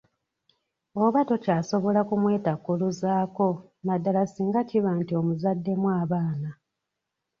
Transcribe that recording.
Oba tokyasobola kumwetakkuluzaako naddala singa kiba nti omuzaddemu abaana.